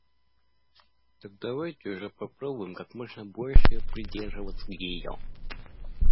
Так давайте же попробуем как можно больше придерживаться ее.